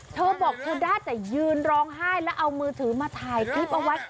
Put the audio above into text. เธอบอกเธอได้แต่ยืนร้องไห้แล้วเอามือถือมาถ่ายคลิปเอาไว้